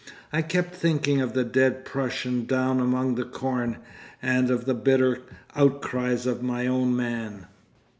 I kept thinking of the dead Prussian down among the corn, and of the bitter outcries of my own man.